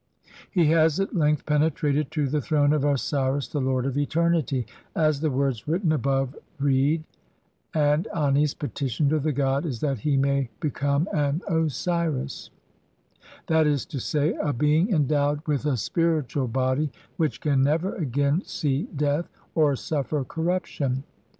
He has at length penetrated to the throne of "Osiris, the lord of eternitv" — as the words written above him read — and Ani's petition to the god is that he may become "an Osiris", that is to sav, a being endowed with a spiritual body which can never again see death or suffer corruption.